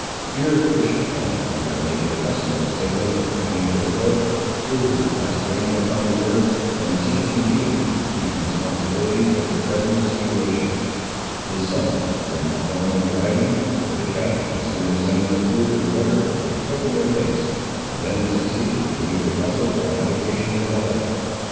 Here Ishmael, after making the customary signal for the train to approach, threw his vast frame upon the earth, and seemed to muse on the deep responsibility of his present situation. His sons were not long in arriving; for the cattle no sooner scented the food and water than they quickened their pace, and then succeeded the usual bustle and avocations of a halt.